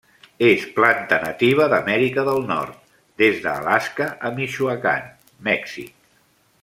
És planta nativa d'Amèrica del Nord des d'Alaska a Michoacán, Mèxic.